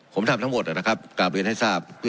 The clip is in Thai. ผมทำทั้งหมดนะครับกลับเรียนให้ทราบ